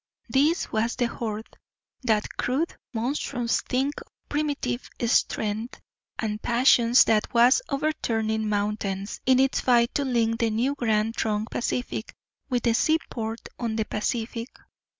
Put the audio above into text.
This was the Horde, that crude, monstrous thing of primitive strength and passions that was overturning mountains in its fight to link the new Grand Trunk Pacific with the seaport on the Pacific.